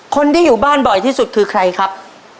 คนที่อยู่บ้านบ่อยที่สุดคือใครครับ